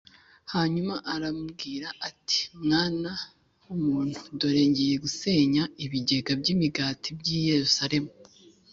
Hanyuma arambwira ati «Mwana w’umuntu, dore ngiye gusenya ibigega by’imigati by’i Yeruzalemu